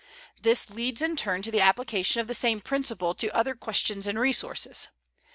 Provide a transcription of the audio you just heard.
This leads in turn to the application of the same principle to other questions and resources.